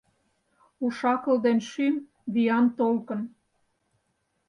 Уш-акыл ден шӱм — виян толкын.